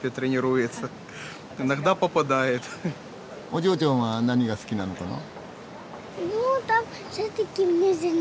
お嬢ちゃんは何が好きなのかな？